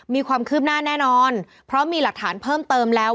มีความคืบหน้าแน่นอนเพราะมีหลักฐานเพิ่มเติมแล้ว